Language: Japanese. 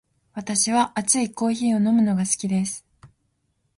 私は熱いコーヒーを飲むのが好きです。